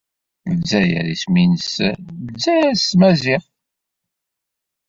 Ldzayer isem-nnes Ldzayer s tmaziɣt.